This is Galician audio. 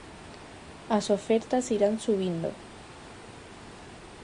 As ofertas irán subindo!